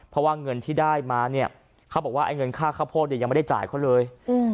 เพราะว่าเงินที่ได้มาเนี่ยเขาบอกว่าไอ้เงินค่าข้าวโพดเนี่ยยังไม่ได้จ่ายเขาเลย